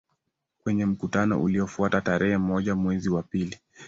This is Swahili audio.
Kwenye mkutano uliofuata tarehe moja mwezi wa pili